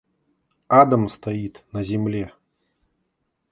Адом стоит на земле.